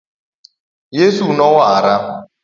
Yesu nowara .